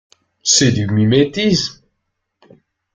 C'est du mimétisme.